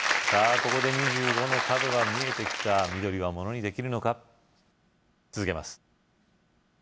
ここで２５の角が見えてきた緑はものにできるのか続けます